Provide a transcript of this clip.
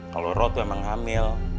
kalau roh tuh emang hamil